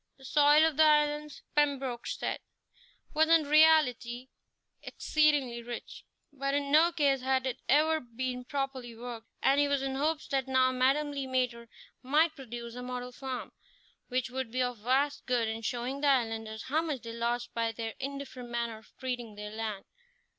The soil of the islands, Pembroke said, was in reality exceedingly rich, but in no case had it ever been properly worked, and he was in hopes that now Madame Le Maître might produce a model farm, which would be of vast good in showing the islanders how much they lost by their indifferent manner of treating their land.